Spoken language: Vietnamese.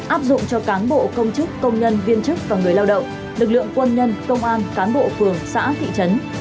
áp dụng cho cán bộ công chức công nhân viên chức và người lao động lực lượng quân nhân công an cán bộ phường xã thị trấn